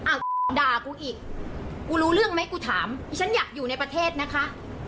อ่ะด่ากูอีกกูรู้เรื่องไหมกูถามฉันอยากอยู่ในประเทศนะคะ